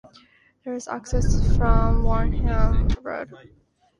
There is access from Warnham Road.